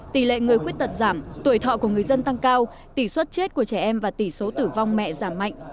tỷ lệ người khuyết tật giảm tuổi thọ của người dân tăng cao tỷ suất chết của trẻ em và tỷ số tử vong mẹ giảm mạnh